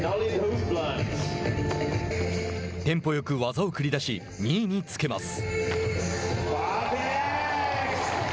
テンポよく技を繰り出し２位につけます。